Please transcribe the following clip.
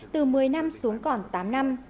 từ một mươi năm xuống còn tám năm